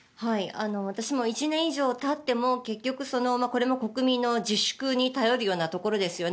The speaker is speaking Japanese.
私も１年以上たってもこれも国民の自粛に頼るようなところですよね。